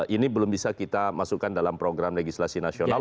ini belum bisa kita masukkan dalam program legislasi nasional